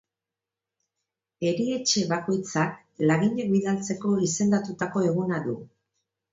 Erietxe bakoitzak laginak bidaltzeko izendatutako eguna du.